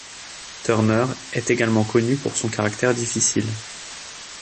Turner est également connu pour son caractère difficile.